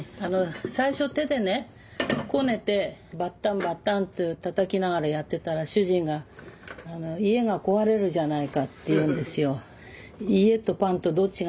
最初手でねこねてバッタンバッタンってたたきながらやってたら主人が家が壊れるじゃないかって言うんですよ。